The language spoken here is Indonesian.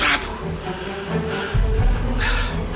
prabu harus membayar semuanya